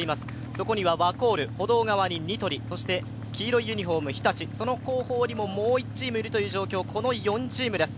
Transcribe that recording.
そこにはワコール、ニトリ、そして黄色いユニフォーム、日立、その後方にももう１チームいるというこの４チームです。